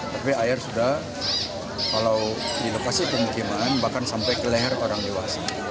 tapi air sudah kalau di lokasi pemukiman bahkan sampai ke leher orang dewasa